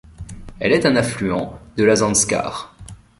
Elle est un affluent de la Zanskar.